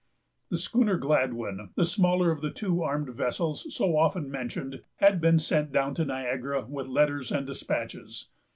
The schooner Gladwyn, the smaller of the two armed vessels so often mentioned, had been sent down to Niagara with letters and despatches.